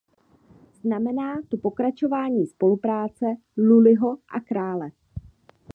Znamená to pokračování spolupráce Lullyho a krále.